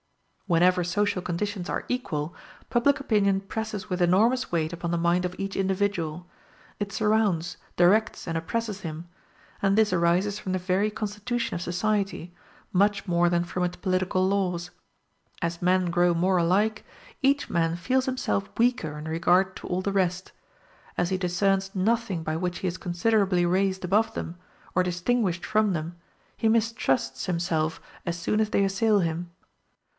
Whenever social conditions are equal, public opinion presses with enormous weight upon the mind of each individual; it surrounds, directs, and oppresses him; and this arises from the very constitution of society, much more than from its political laws. As men grow more alike, each man feels himself weaker in regard to all the rest; as he discerns nothing by which he is considerably raised above them, or distinguished from them, he mistrusts himself as soon as they assail him.